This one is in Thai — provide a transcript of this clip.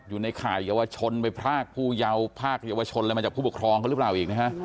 อยู่ในข่ายเยาวชนไปพรากผู้เยาว์ภาคเยาวชนอะไรมาจากผู้ปกครองเขาหรือเปล่าอีกนะฮะ